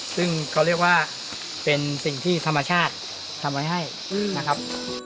ซึ่งเขาเรียกว่าเป็นสิ่งที่ธรรมชาติทำไว้ให้นะครับ